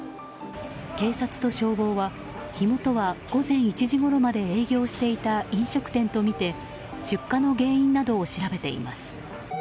警察と消防は火元は午前１時ごろまで営業していた飲食店とみて出火の原因などを調べています。